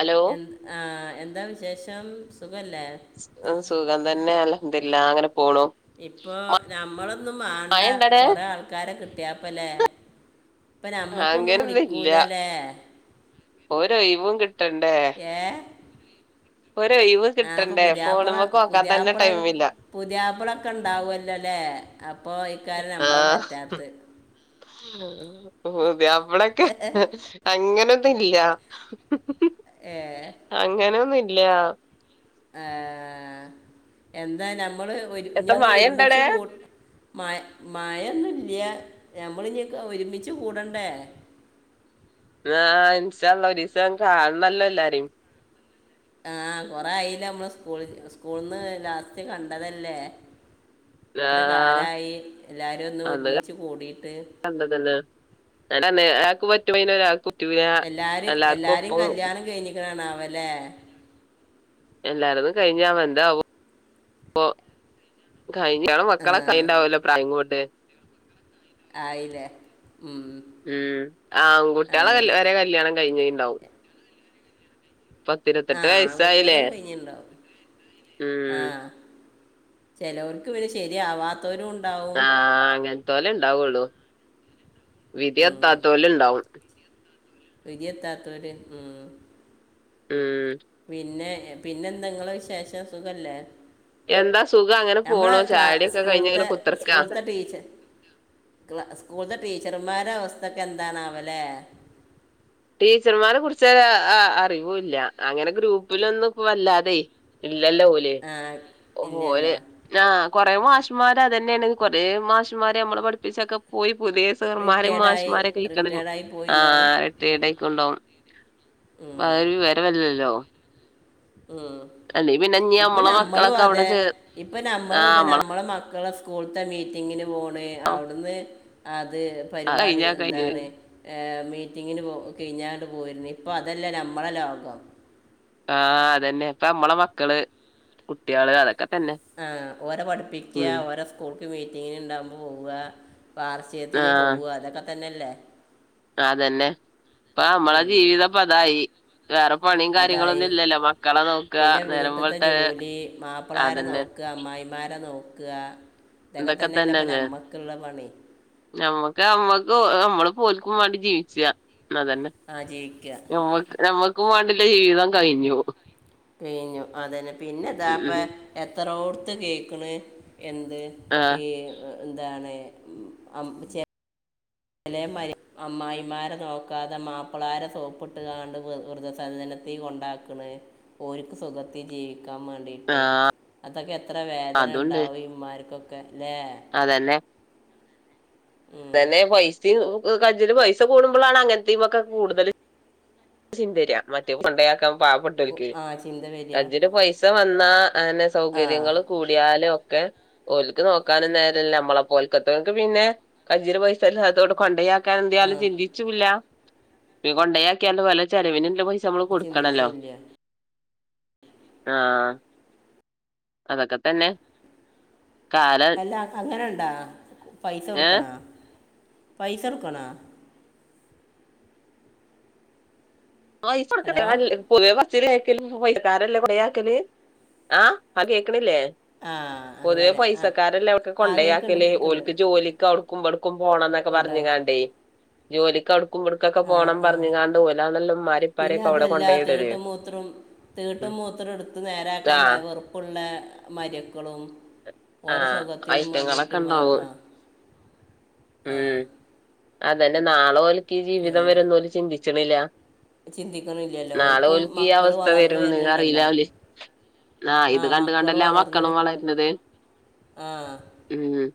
Hello എന്താ ആഹ എന്താ വിശേഷം എം സുഖാണ് ആഹ സുഖ തന്നെ പിന്നെ അൽഹംദുലില്ല അങ്ങനെ പോണു ഇപ്പൊ നമ്മള് ഒന്നും മഴ മാണ്ട ഇണ്ടടെ കൊറേ ആൾക്കാരെ കിട്ടിയാപ്പല്ലേ ഇപ്പ നമ്മക്കൊന്നും വിളിക്കൂലല്ലേ ഒരൊയിവും കിട്ടണ്ടേ ഏ ഒരൊഴിവ് ആ അപ്പോ കിട്ടണ്ടേ പുതിയാപ്പള ഫോണുമ്മക്ക് നോക്കാൻ തന്നെ പുതിയാപ്പള ടൈമില്ല പുതിയാപ്പളൊക്കെ ഉണ്ടാവല്ലോല്ലേ അപ്പൊ അതൈക്കാര്യം നമ്മള് ആഹ് പറ്റാത്തത് പുതിയാപ്പള ഇവിടൊക്കെ അങ്ങനെ ഇല്ല്യ ഏ അങ്ങനെൊന്നുല്ല ആ എന്താനമ്മ ഞമ്മള് ഒരുമിച്ച് എത്ത ഇഞ്ഞൊന്ന് മഴ ഒരുമിച്ച് ഇണ്ടടെ കൂടെണ്ടേ മഴ മഴന്നുല്ലഞമ്മൾ ഇനി ഒരുമിച്ച് കൂടണ്ടേ ആ ഇൻശാളള ഒരിസം കാണണല്ലോ എല്ലാരും ആഹ കൊറയില്ലേ നമ്മള് സ്കൂൾ സ്കൂള്ന്ന് ലാസ്റ്റ് കണ്ടതല്ലേ എത്ര ആഹ് കാലായി എല്ലാരോന്ന് അന്ന് ഒരുമിച്ച് കൂടിട്ട് കണ്ടതന്നെ [unintelligible] എല്ലാരി എല്ലാർക്കും എല്ലാരിം ഒപ്പം കല്യാണം കഴിഞ്ഞ ന്താണാവലെ എല്ലാാരതും കഴ്ഞാവോ ന്താവോ കയ്ഞാ ആ കൺമക്കളൊക്കെ അയീണ്ടാവൊല്ലോ പ്രായം കൊണ്ട് ആയില്ലേ ഉം മ്മ് ആൺകുട്ടികളെ അങ്ങനെ വരെ കല്യാണം കഴിഞ്ഞുണ്ടാവും ആ പത്തിരത്തെട്ട് വയസായില്ലേ ആൺകുട്ടികളത് കഴിഞ്ഞിട്ടുണ്ടാവും മ്മ് ചെലോർക്ക് പിന്നെ ശെര്യാവാ ത്തൊരുണ്ടാവും ത്തോലെ ഉണ്ടാവുള്ളൂ വിധിയത്താത്തോല്ണ്ടാവും വിധി എത്താത്തോർ മ്മ് പിന്നെ പിന്നെന്താ ങ്ങളെ വിശേഷം സുഖല്ലേ എന്താ സുഖം അങ്ങനെ ഞമ്മളെ പോണു ക്ലാസ് ചായടിയൊക്കെ കഴിഞ്ഞ് ഇങ്ങനെ സ്കൂൾത്തെ കുത്തിർക്കാ സ്കൂൾത്തെ ടീച്ചർ മ്മാരെ അവസ്ഥക്കെ എന്താണാവലേ ടീച്ചർമാരെ കുറിച്ച് അറിവുല്ല അങ്ങനെ ഗ്രൂപ്പിലൊന്നും പ്പോ വല്ലാതെ ഇല്ലല്ല ഓല് ആ ഓല് ഇല്ലല്ലോ ആ കൊറ മാസ മാഷുമാര് അതഞ്ഞേണ് കൊറെ മാഷ്മാര് നമ്മള പഠപ്പിച്ചൊക്കെ പോയി പുതിയ സാർമാരിം റിട്ടയർഡായി മാഷ്മാരൊക്കെ കിട്ടണം ഞ്ഞി റിട്ടയർഡായി ആ പോയിണ്ടാവും ട്ടെടായ്ക്കൊണ്ടാകും ഉം, [unintelligible] ഉ ഇനി ഇപ്പ നമ്മളെ നമ്മളും മക്കളൊക്കെ അവിടെ അതെ ചേ ഇപ്പ നമ്മളും ഇത് നമ്മളെ മക്കള സ്കൂൾത്തെ മീറ്റിങ്ങി പോണ അവ്ടന്ന് ആ അത് പരിപാടി കഴിഞ്ഞാ കഴിഞ്ഞ് എന്താണ് ഏ മീറ്റിങ്ങിന് പോ കഴിഞ്ഞാണ്ട് പോര്ൺ ഇപ്പൊ അതല്ലേ നമ്മളെ ലോകം ആ അതന്നെ ഇപ്പ നമ്മളെ മക്കള് കുട്ട്യാൾ അതൊക്കെ തന്നെ ആ ഓര പഠിപ്പിക്കാ ഉം ഓരോ സ്കൂൾ ഞ്ഞി മീറ്റിങ്ങിന് ഉണ്ടാവുമ്പോൾ പോവുക വാർഷികത്തിന് ആഹ് പോവാ അതൊക്കെ തന്നെല്ലേ അതന്നെ ഇപ്പൊ നമ്മളെ ഉം ജീവിതപ്പ അതായി വാ വാ മ്മളെ ജീവിതപ്പതായി വേറെ പണിം അതായി കാര്യങ്ങളൊന്നും ഇല്ലല്ലോ മക്കളെ നോക പിന്നെ നേരം വീട്ടിലത്തെ വൾത് ജോലി അതന്നെ നോക്കാ ഇതൊക്കെ തന്നല്ലേ നമ്മക്ക്മ്മക്ക് ദോ ആ അമ്മള് പോൽക്കും വാണ്ടി ജീവിച്ച അതന്നെ ആ ജീവിക്കുക നമ്മക്ക് നമ്മ ക്കും വേണ്ടില്ല ജീവിതം കഴിഞ്ഞു കഴഞ്ഞു അതന്നെ പിന്നെതാപ്പ എത്രോ ത്ത് കേൾക്കണ എന്ത് ആഹ് ഈ ഇ എന്താണ് അംപുചെ [unintelligible] ചെലെ മരി അമ്മായിമാരെ നോക്കാതെ മാപ്ളാര സോപ്പിട്ട്കാണ്ട് വ വ്രധസജനത്തെ കൊണ്ടാക്കണ് ഓ ര്ക്ക് സുഖത്തി ജീവി- ക്കാൻ വേണ്ടിട്ട് അതൊക്കെ എത്ര വേദന അതുണ്ട് ഉണ്ടാവും ഇ്മാർക്കൊ അതന്നെ തന്നെ പൈസിം ഉ കഞ്ജില് പൈസ കൂടുമ്പോളാണ് അങ്ങനത്തെമക്കാ കൂടുതൽ ചിന്തതരിയാ മറ്റേ കൊണ്ടയാക്കാ കു- പാവപ്പെട്ടരക് ആ ചിന്ത വരിക കജ്ജ്ല് പൈസ വന് ന്നാ അഅന്നെ ആ സൗകര്യങ്ങള് കൂടിയാല് ഒക്കെ ഓൽക്ക് നോക്കാനും നേരല്ല മ്മളെ പോൽക്കത്തക്ക് പിന്നെ കജ്ജ്ല് പൈസ എല്ലാത്തോണ്ട് കൊണ്ടയാ - [unintelligible] ആ യാലും ചിന്തിച്ചൂല്ല ത് കൊണ്ടായാ ക്ക് അൻ്റെ പല ചെലവിന്ള്ള പൈസ് സ നമ്മൾ കൊടുക്കണല്ലോ ചിന്തിക്കൂല്ല ആഹ് അതൊക്കെ തന്നെ കാലം അല്ല അൻക്കങ്ങനെണ്ട് [unintelligible] പൈസ ഏഹ് കൊടുക്കണോ? പൈസൊട്ക്കണോ? ആ പൈസ ഹലോ കൊടുക്കണ്ടി [unintelligible] പൊതുവെ പറച്ചില് ക്കലും പൈസക്കാരല്ലേ [unintelligible] ആ ആ കേക്കണില്ലേ ആ പൊതുവേ അങ്ങനെ ആ പൈസക്കാരല്ലെ ഔടക്ക് ആ കേൾക്കുന്നുണ്ട് കൊണ്ടയാക്കല് ഓൽക്ക് കേൾക്കുന്നുണ്ട് ജോലിക്കവുട് [unintelligible] കുപ്പോണം ന്നൊക്കെ പറഞ് കൊണ്ടാകും കാണ്ടേ ജോലിക്ക് അ ക്കും ഇവ്ട്ക്കൊക്കെ ആ പോണം ആ പറഞ്ഞ് കാണ്ട് ഓലാണല്ലോ ഉമ്മാരേം പിന്നെ ഉപ്പാരേക്കെ അവിടെ അതല്ല കൊണ്ടയിടല് തീട്ടം, മൂത്രം, തീട്ടം, മൂത്രം, ഇട്ത്ത് നേരാക്കാൻ ആഹ് വെറുപ്പുള്ള മരോക്കളും ഓരെ ആഹ് സൊഖത്തിനും ഐറ്റങ്ങളൊക്കെ മാണ്ടീട്ട് മാ ഉണ്ടാവും മാ ആ ഉം അത നാളെ ഓല് ക്കി ജീവിതം അങ്ങനെ വരുംന്ന് ഓല് ചിന്തിച്ച്ണില്ല ചിന്തിക്കണില്ലല്ലോ നാളെ ഓർക്കും ഓൽക്ക് ഈ മക്കൾ അവസ്ഥ വളർന്നു വരുംന്ന് അറീല വരുന്നുണ്ടല്ലോ ഓല് ആ ഇത് കണ്ട് മക്കൾ കണ്ടല്ലേ ആ വളർന്ന് മക്കളും വളര്നത് ആ ഉം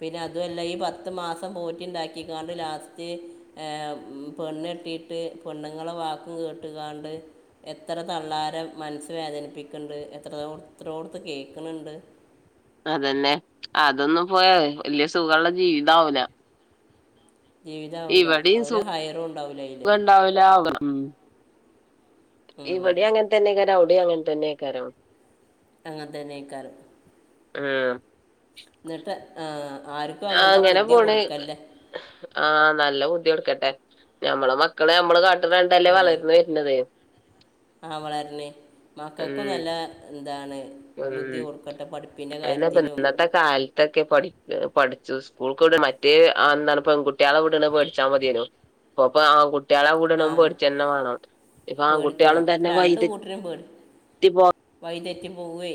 പിന്നെ അതുല്ല ഈ പത്ത് മാസം പോറ്റി ഇണ്ടാക്കിക്കാണ്ട് ലാസ്റ്റ് പെണ്ണ് കെട്ടീട്ട് പെണ്ണുങ്ങളെ വാക്കും കേട്ട്കാണ്ട് എത്ര തള്ളാര മനസ്സ് വേദനിപ്പിക്ക്‌ണ്ട് എത്രോ എത്രോട്ത്ത് കേക്ക്ണ് ണ്ട് അതന്നെ അതൊന്നും പോഹേ വല്യ സുഖള്ളെ ജീവിതാവൂല ജീവിതം ആവൂല അവര് ഹൈറും ഖ ഇണ്ടാവൂല അവർ ഇവിടിം അങ്ങൻ തന്നെയ്ക്കാരം അവ് ഇവിടെ അങ്ങനെത്തന്നെക്കാരം അങ്ങനത്തന്നേക്കാരം ആ ആ ആർക്കും ആ അങ്ങനത്തെ അങ്ങനെ ബുദ്ധി പോണ് കൊടുക്കല്ലേ ആ നല്ല ബുദ്ധികൊടുക്കട്ടെ ഞമ്മള മക്കളെ നമ്മള് കാ ആ അ വളര്ണ് മക്കക്കും ഉം നല്ല എന്താണ് ബുദ്ധി ഉം കൊടുക്കട്ടെ പഠിപ്പിൻ്റെ ഇല്ല അപ്പ കാര്യത്തിലും ഇന്നത്തെ കാലത്തൊക്കെ പഠിക്ക് പഠിച്ച സ്കൂൾക്ക് വിട മറ്റേ അ എന്താണ് പെണ്കുട്ടികളെ വിടണ പേടിച്ചാമതിയാനു ഇപ്പൊപ്പ ആൺകു കുട്ടികളെ ആ കൂടണം പേടിച്ചന്ന വേണം ഇപ്പൊ പേടിക്കണം ആൺകുട്ടികളും ഇപ്പം തന്നെ രണ്ട് കൂട്ടരും വൈദത്തിപോ പൂവ്വേ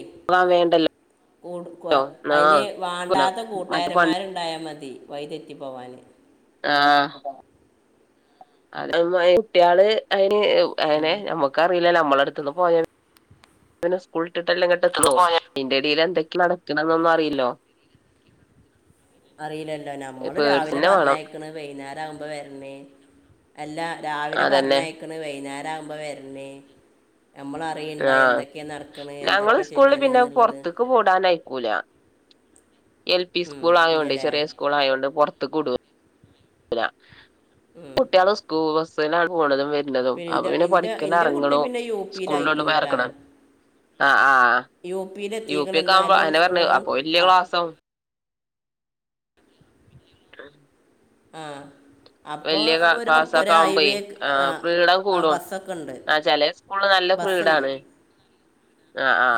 കൊടുക്കുഅ ട്ടോ അയിന് ആഹ് വാണ്ടാത്ത മറ്റേ പ കൂട്ടുകാരന്മാരുണ്ടായാ മതി വയ്തെറ്റി പോവാന് ആഹ് അത് അമ്മായി കുട്ടിയള് അയ് ഇ ഉ എനെ ഞമുക്കറിയൂല്ലാലോ നമ്മള് എടു ത്ത്ന്ന് പോയെ [unintelligible] സ്കൂൾ ഇട്ടിട്ടല്ലേ ഇങ്ങട്ട് എത്ത്ള്ളു ഇന്റെഎടീൽ എ തെക്കി നടക്കണന്നൊന്നും അറിയില്ലോ അറിയില്ലല്ലോ നമ്മള് രാവിലെ പേടിച്ചന്നെ വേണം പറഞ്ഞയക്കണ് വൈന്നേരാവും എപ്പോ വരുന്നേ അല്ല രാവിലെ അതന്നെ പറഞ്ഞയക്കണ് വൈന്നാരം ദാവുമ്പോ വരുന്നേ ങ ഞങ്ങള് എന്തൊക്കെ സ്കൂളില് ചെയ്യണ് പിന്നെ എന്നുള്ളത് പുറത്തേക്ക് വിടാനയക്കുല എൽ പി ഉം, സ്കൂൾ ആയോണ്ട് ഇല്ലല്ലേ ചെറിയ സ്കൂൾ ആയോണ്ട് പുറത്തക്ക വിടൂല ഇല്ല ഉം. കുട്ടികൾ സ്കൂൾ ബസ്സിലാണ് പോണതും വരണതും അപ്പൊ എൻ്റെ പിന്നെ എൻ്റെ പഠിക്കന്ന് എൻ്റെ കുട്ടി ഇറങ്ങണു പിന്നെ യു പിയിൽ സ്കൂളിൽ ഒന്ന് അയക്കണട്ടാ പോയിറക്കുന്നു അ ആ അ യു പിയിൽ യുപി എത്തിക്കണം ഒക്കെ ആവുമ്പോ എന്നാലും അതെന്നെ പറഞ് സ്കൂളിൽ അപ്പൊ വല്യ ആ ക്ലാസവും റ്റം [unintelligible] ആ അപ്പോൾ വലിയ ഒരു പുറത്ത് ഒരു ക്ലാസ്സൊക്കെ ആവുമ്പോ ഹൈവേ ആ ഫ്രീഡം ആ കൂടും ബസ്സൊക്കെ ഉണ്ട് ആ ചില സ്കൂളുകളിൽ നല്ല ഫ്രീഡം ബസ്സുണ്ട് ആണ് ആ ആ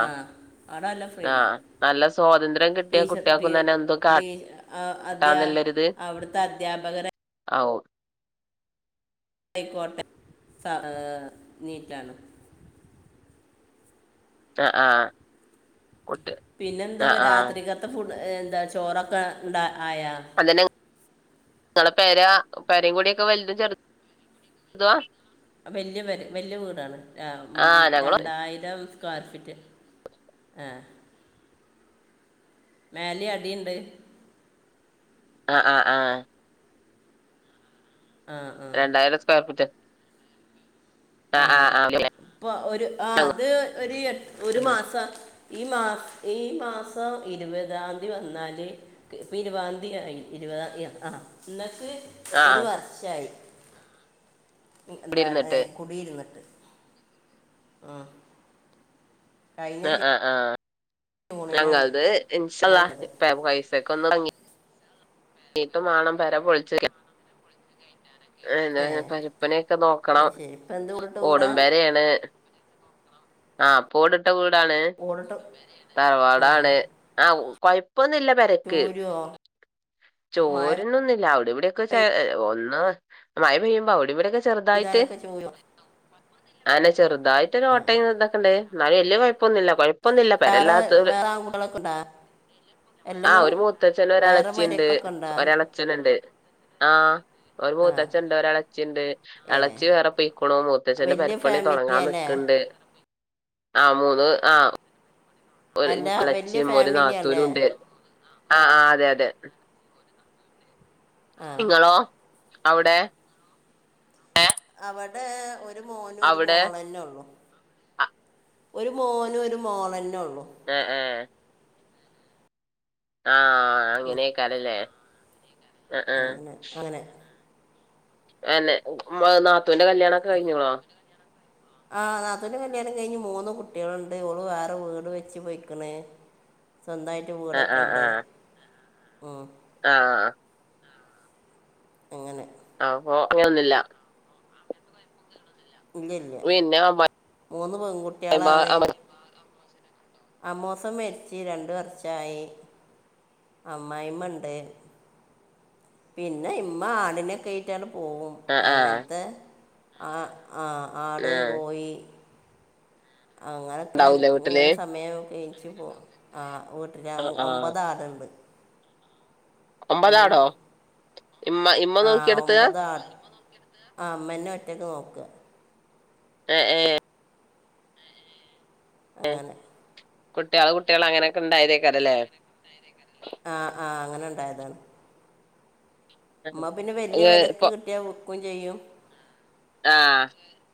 അവിടെ നല്ല ഫ്രീഡ കിട്ടിയ കുട്ട്യാക്കും തന്നെ എന്തും [unintelligible] അവിടുത്തെ അധ്യാപകരെ ഔ ആയിക്കോട്ടെ സാ നീറ്റാണ് ആ ആ പിന്നെന്താ രാത്രികത്തെ ഫുഡ്‌ എന്താ ചോറൊക്കെ ഉണ്ടാ ആയോ നിങ്ങളെ പേരാ പെരിം കൂടിയൊക്കെ വലുതും ചെറുതുവാ വല്യ പെര വല്യ വീടാണ് അ ആഹ് ഞങ്ങള് രണ്ടായിരം സ്ക്വയർ ഫിറ്റ് അ മേലി അടീണ്ട് ആ ആ ആ ആ ആ രണ്ടായിരം സ്ക്വയർ ഫിറ്റ്‌ ആ ആഹ് പ്പൊ ഒരു ആ അത് ഒരു എ ഒരു ആഹ് മാസ ഈ മാസ് ഈ മാസം ഇരുപതാംതി വന്നാല് ഇപ്പോ ഇരുപതാംതി ആയി ഇരുപതാം ആ ആ ഇന്നക്ക് അത് ഒരു ആഹ് വർഷായി എന്താണ് കുടിയിരുന്നിട്ട് വി ഇരുന്നിട്ട് ആഹ് അ അ ആ ജൂണിനാണ് ഞങ്ങത് ഇൻഷല്ല അവൾക്കത് ഇപ്പ പൈസക്ക ഒന്ന് ഭങ്ങി നീട്ടുമാണം പെര പൊളിചോക്യ എന്താ ഏ പരപ്പണി യൊക്കെ ആ, നോക്കണം ശരി ഇപ്പൊ എന്ത് കൂടിട്ട് കൂടാ ഓട്മ്പരയാണ് ആഹ് പോടുട് ട്ട വീടാണ് കൂടിട്ട് ആ തറവാടാണ് ആ പൈപ്പ് ഇപ്പൊന്നില്ല പരക്ക് ചോരുവോ മഴ ചോരുന്നൊന്നുല് അവിടെ ഇവിടെയൊക്കെചെ ഒന്ന് മഴ പെയ്യുമ്പോ അവിടെ ഇവിടെയൊക്കെ ചെറുതായിട്ട് പെയ്താലൊക്കെ ചോരുവോ അനെ ചെറുതായിട്ടൊരു ആ രോട്ടെ തോക്കെണ്ട് ന്നാല് വെല്യ കൊയ്പ് പ്പൊന്നില്ല കൊയപ്പൊന്നൂല്ല വേറെ പരല്ലാതോര് വേറെ ആൺകുട്ടികളൊക്കെ ഉണ്ടാ ആ എല്ലന്നു ഒരു മൂത്തച്ഛന വേറെ ഒരെളച് ച്ചിണ്ട് മരക്കൊക്കെ ഉണ്ടോ ഒരെളെ ചഛനുണ്ട് ആഹ് ഒരു ആ മൂത്തച്ഛൻണ്ട് ഒ ഇളച്ചിണ്ട് ഏ ഇളച്ചി വേറെ പെയക്ണോ മൂത്തച്ഛ്ന്റെ വലിയ പെരെപ്പണി ഫാമിലി തൊടങ്ങാൻ അല്ലേ നിക്ണ്ട് ആഹ് മൂന്ന് ആഹ് ഒരു അല്ല വലിയ ൻകൊളച്ചിയും ഒരു ഫാമിലി നാത്തൂരും അല്ലേ ഉണ്ട് ആ ആ അതെ അതെ ആ ഇങ്ങളോ അവിടെ എ അവടെ ഒ ഒരു മോനും ഒരു അവിടെ മോളന്നെ ഒള്ളു അ, ഒരു മോനും ഒരു മോളന്നെ ഒ എ ഏ ആ ആഹ് അങ്ങനെക്കാരല്ലേ അങ്ങനെ അങ്ങനെ എന്നെ ഉം അ നാ നാത്തൂന്റെ കല്യാണൊക്കെ കഴിഞ്ഞ്ണോ ആ നാത്തൂന്റെ കല്യാണം കഴിഞ്ഞ് മൂന്ന് കുട്ടികളുണ്ട് ഓള് വേറെ വീട് വെച്ച് പൊയിക്ക്ണ് സ്വന്തായിട്ട് ആ ആ ആ വീടൊക്കെണ്ട് ഉം ആ അങ്ങനെ ആ അപ്പൊ അങ്ങനൊന്നുല്ല ഇല്ലല്ല പിന്നെ അമ്മായി മൂന്ന് പെൺകുട്ടികളാണ് അമ്മുസം മരിച്ച് രണ്ട് വർഷായി അമ്മായിമ്മണ്ട് പിന്നെ ഇമ്മ ആടിനെക്കെഴ്റ്റാണ്ട് പോവും ആ ആ ആ അങ്ങൻത്തെ ആ ആ ആട് കോയി അങ്ങനക്കെ ഉണ്ടാവൂലേ വീട്ടില് ഇങ്ങനെ സമയൊ എ ഇജ് പോ ആാ വീട്ടില് ആ ആ ഒമ്പത് ആട്ണ്ട് ഒമ്പാതാടോ ഇമ്മ ഇമ്മ ആ നോക്കിയട്ത്താ ഒമ്പത് ആട് ആ ഇമ്മന്നേ ഒറ്റക്ക് നോക്ക എ ഏ അങ്ങനെ കുട്ടികള് കുട്ടികള് അങ്ങനെയൊക്കെ ഉണ്ടായതേക്കാരല്ലേ അ ആ അങ്ങനെണ്ടായതാണ് ഇമ്മ പിന്നെ വല്ല്യ ഏ, വെലക്ക് ഇപ്പൊ കിട്ടിയ വി ക്കും ചെയ്യും ആ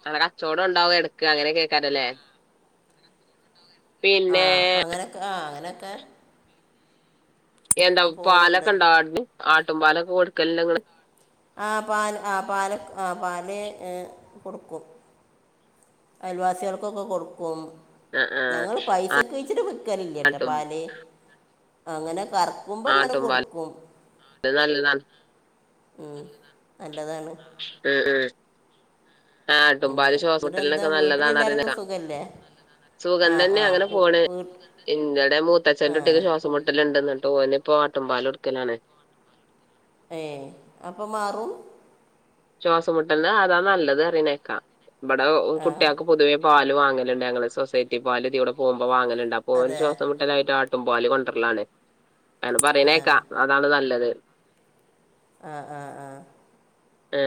നല്ല കച്ചോടം ഒണ്ടാവും എടക്ക് അങ്ങനെകേക്കാരല്ലേ ആ അങ്ങനെക്കെ ആ അങ്ങനെക്കെ [unintelligible] ന്താവു പാലൊക്കെ ണ്ടാവോ ആട് ആട്ടും പാലൊക്കെ കൊട്ക്കല്ല്ണ്ടാ ങ്ങ ആാ പാല് ആ പാല് ആ പാല് യെ കൊട്ക്കും അയൽവാസികള്ക്കൊക്കെ കൊടുക്കും ആഹ് ആഹ് ഞങ്ങള് പൈസ ക്ക് ച്ചിട്ട് വിക്കലില്ലേട്ടാ ആട്ടും പാല് അങ്ങനെ കറക്ക്മ്പോ അങ്ങനെ ആട്ടുംപാല് കൊടുക്കും നല്ലതാണ് [unintelligible] ഉം ഉം ആട്ടുംപാല് അങ്ങനെ എന്നിട്ട് എന്താ ശ്വാസെമെട്ടലിനൊക്കെ നല്ലതാണ് വീട്ടിലെല്ലാവർക്കും അറിയന്നാതാ സുഖമല്ലേ സുഖം ആ തന്നെ ആ അങ്ങനെ വീ- പോണ് വീ- ഇങ്ങടെ ആ മൂത്തച്ഛൻ്റെ കുട്ടിക്ക് ശ്വാസംമെട്ടലെണ്ടന്ന് കേട്ടോ ഒന് പോ ആട്ടും പാല് കൊട്ക്കാലാണ് യെ അപ്പം മാറും ശ്വാസംമെട്ടല്ലാന് അതാ നല്ലത് അറേ കേക്കാം അതു ആ കുട്ടികക്ക് പൊതുവേ പാ ല് വാങ്ങാലെണ്ട് ഞങ്ങള് സോസെയ്റ്റി പല് ഇതിലൂടെ പവാങ്ങ ഒണ്ട് അപ്പോ ഒന് അതെ ശ്വാസംമൊട്ടായിട്ട് അ ട്ടും പാല് കൊണ്ടരാണ് പെറീനെക്കര ആ നാകേക്കാം അതാണ് നല്ലത് ആ ആ ആ ആ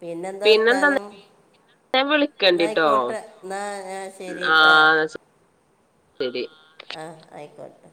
പിന്നെന്താ വർത്താനം ന്നെ വിളിക്കേണ്ടിട്ടോ ആ ശെരിട്ടാ ശെരി ആാ ആയിക്കോട്ടെ